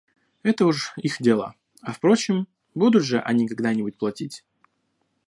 Это уж их дело, а впрочем, будут же они когда-нибудь платить.